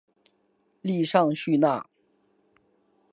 利尚叙纳。